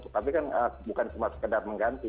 tapi kan bukan cuma sekedar mengganti